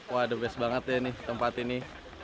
waduh best banget deh nih tempat ini